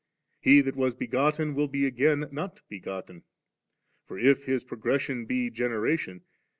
He that was begotten will be again not begotten. For if His progression be generation.